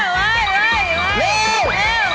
เร็ว